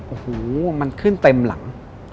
โอ้โหมันขึ้นเต็มหลัง